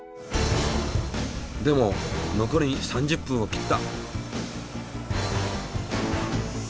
でも残り３０分を切った。